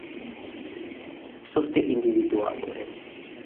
სუსტი ინდივიდუალური.